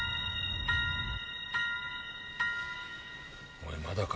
おいまだか？